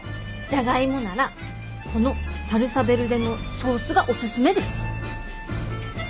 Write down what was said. じゃがいもならこのサルサ・ヴェルデのソースがおすすめです。